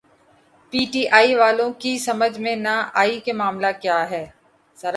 پی ٹی آئی والوں کی سمجھ میں نہ آئی کہ معاملہ کیا ہے۔